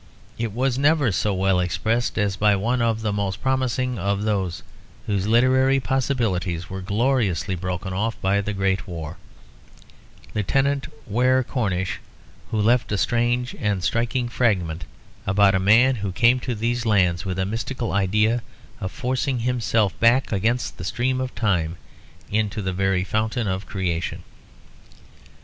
It was never so well expressed as by one of the most promising of those whose literary possibilities were gloriously broken off by the great war; Lieutenant Warre Cornish who left a strange and striking fragment, about a man who came to these lands with a mystical idea of forcing himself back against the stream of time into the very fountain of creation.